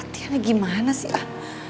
tiana gimana sih ah